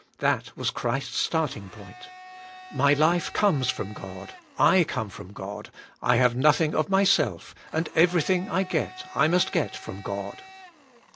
That was Christ's starting point. My life comes from God. I come from God. I have noth ing of m3'self, and everything I get I must get from God.